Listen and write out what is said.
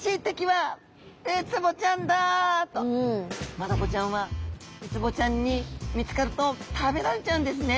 マダコちゃんはウツボちゃんに見つかると食べられちゃうんですね！